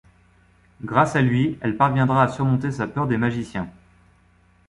Grâce à lui, elle parviendra à surmonter sa peur des magiciens.